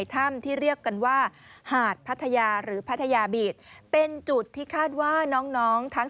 ถ้ำที่เรียกกันว่าหาดพัทยาหรือพัทยาบีดเป็นจุดที่คาดว่าน้องน้องทั้ง